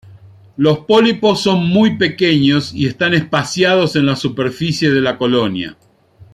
Los pólipos son muy pequeños y están espaciados en la superficie de la colonia.